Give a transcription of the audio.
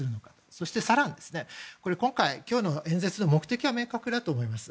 そして、今回今日の演説の目的は明確だと思います。